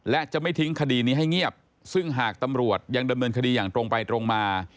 และจะไม่ทิ้งคดีนี้ให้เงียบซึ่งหากตำรวจยังดำเนินคดีอย่างตรงไปตรงมา